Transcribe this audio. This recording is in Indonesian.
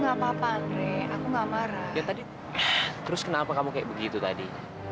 legend kalau aku marah emang aru buat kamu nuri